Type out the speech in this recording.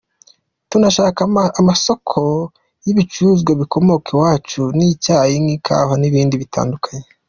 Tunashaka amasoko y’ibicuruzwa bikomoka iwacu nk’icyayi n’ikawa n’ibindi bitandukanye.